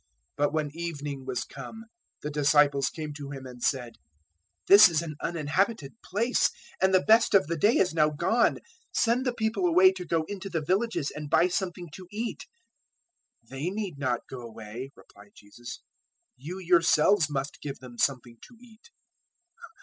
014:015 But when evening was come, the disciples came to Him and said, "This is an uninhabited place, and the best of the day is now gone; send the people away to go into the villages and buy something to eat." 014:016 "They need not go away," replied Jesus; "you yourselves must give them something to eat."